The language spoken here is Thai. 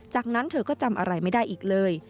จากนั้นเธอก็จำอะไรไม่ได้อีกเลย